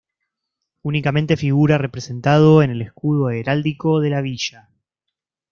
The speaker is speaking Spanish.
Únicamente figura representado en el escudo heráldico de la villa.